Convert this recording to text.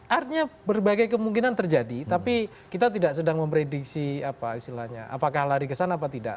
artinya berbagai kemungkinan terjadi tapi kita tidak sedang memprediksi apa istilahnya apakah lari ke sana apa tidak